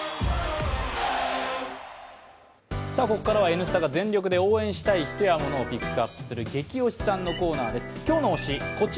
ここからは「Ｎスタ」が全力で応援したい人やモノをピックアップする「ゲキ推しさん」です。